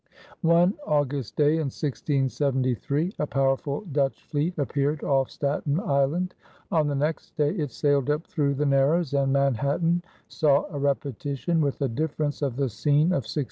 One August day in 1673 a powerful Dutch fleet appeared off Staten Island. On the next day it sailed up through the Narrows, and Manhattan saw a repetition, with a difference, of the scene of 1664.